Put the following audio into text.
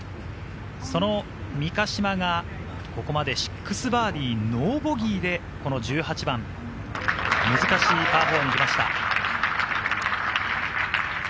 その三ヶ島がここまで６バーディー、ノーボギーでこの１８番、難しいパー４にきました。